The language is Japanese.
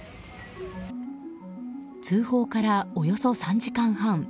通報から、およそ３時間半。